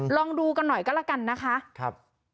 ลองดูกันหน่อยก็แล้วกันนะคะ